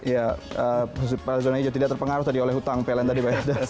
ya pak zona hijau tidak terpengaruh tadi oleh hutang pln tadi pak